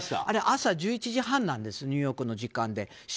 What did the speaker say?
あれ、朝１１時半なんですニューヨークの時間で。